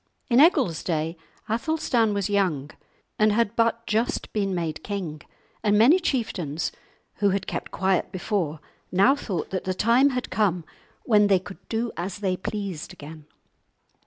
In Egil's day Athelstan was young and had but just been made king, and many chieftains, who had kept quiet before, now thought that the time had come when they could do as they pleased again.